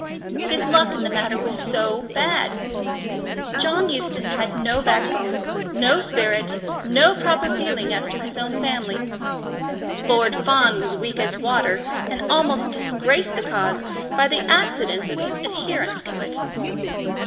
His luck in the matter was so bad! John Eustace had no backbone, no spirit, no proper feeling as to his own family. Lord Fawn was as weak as water, and almost disgraced the cause by the accident of his adherence to it.